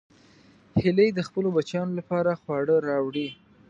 هیلۍ د خپلو بچیانو لپاره خواړه راوړي